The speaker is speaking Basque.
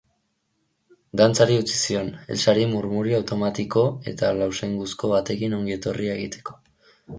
Dantzari utzi zion, Elsari murmurio automatiko eta lausenguzko batekin ongi etorria egiteko.